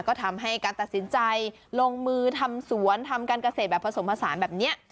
ก็ทำให้การตัดสินใจลงมือทำสวนทำการเกษตรแบบผสมผสานแบบนี้